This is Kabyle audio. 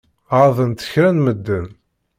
Ɣaḍent kra n medden.